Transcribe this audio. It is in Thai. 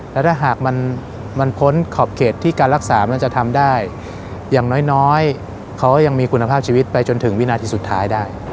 และถ้าหากมันพ้นขอบเขตที่การรักษามันจะทำได้อย่างน้อยเขายังมีคุณภาพชีวิตไปจนถึงวินาทีสุดท้ายได้